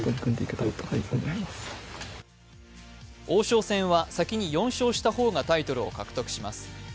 王将戦は先に４勝した方がタイトルを獲得します。